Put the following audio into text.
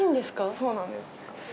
そうなんです。